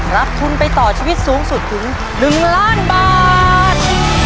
รับทุนไปต่อชีวิตสูงสุดถึง๑ล้านบาท